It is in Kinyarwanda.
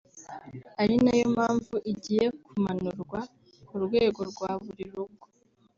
ari nayo mpamvu igiye kumanurwa ku rwego rwa buri rugo